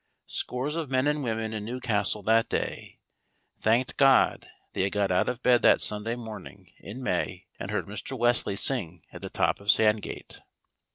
Scores of men and women in Newcastle that day, thanked God they had got out of bed that Sunday morning in May, and heard Mr. Wesley sing at the top of Sandgate.